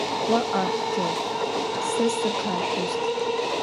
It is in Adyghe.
Vo 'egu têu, se sıkheşsoşt.